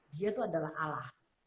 dia itu adalah allah